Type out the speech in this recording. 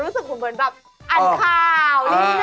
รู้สึกผมเหมือนแบบอันคาว